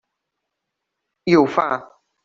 I ho fa.